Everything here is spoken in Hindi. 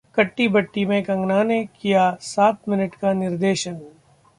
'कट्टी बट्टी' में कंगना ने किया सात मिनट का निर्देशन